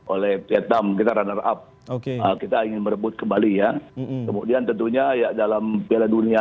oleh vietnam kita runner up kita ingin merebut kembali ya kemudian tentunya ya dalam piala dunia